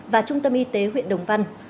và trung tâm y tế huyện đồng văn